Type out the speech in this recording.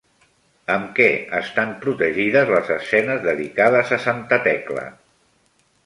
Amb què estan protegides les escenes dedicades a santa Tecla?